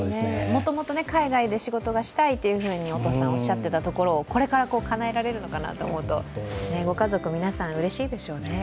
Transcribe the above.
元々海外で仕事がしたいというふうに音初さんお話ししていたところこれからかなえられるのかなと思うと、ご家族皆さんうれしいでしょうね。